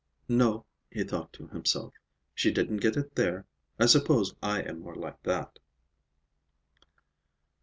"No," he thought to himself, "she didn't get it there. I suppose I am more like that."